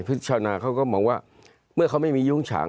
ชาวนาเขาก็มองว่าเมื่อเขาไม่มียุ้งฉาง